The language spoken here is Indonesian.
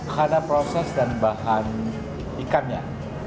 karena proses dan bahan ikannya